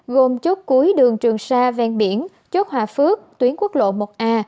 gồm chốt cuối đường trường sa ven biển chốt hòa phước tuyến quốc lộ một a